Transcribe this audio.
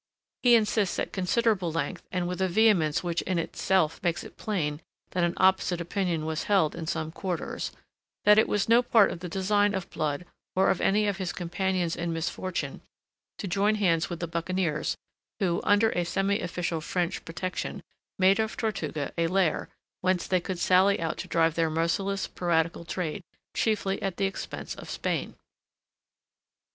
He insists at considerable length, and with a vehemence which in itself makes it plain that an opposite opinion was held in some quarters, that it was no part of the design of Blood or of any of his companions in misfortune to join hands with the buccaneers who, under a semi official French protection, made of Tortuga a lair whence they could sally out to drive their merciless piratical trade chiefly at the expense of Spain.